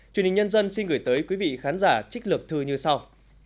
truyền hình nhân dân xin gửi tới quý vị khán giả trích lược thư như sau